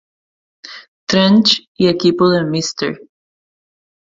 Trench" y "Equipo de Mr.